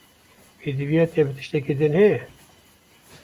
Pêdiviya te bi tiştekî din heye?